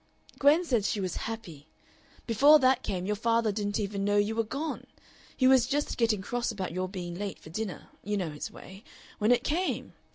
"Gwen said she was happy. Before that came your father didn't even know you were gone. He was just getting cross about your being late for dinner you know his way when it came.